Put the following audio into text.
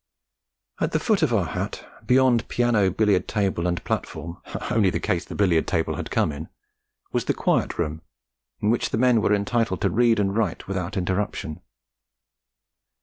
At the foot of our hut, beyond piano, billiard table, and platform (only the case the billiard table had come in), was the Quiet Room in which the men were entitled to read and write without interruption.